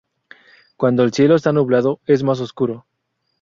Cuando el cielo está nublado es más oscuro.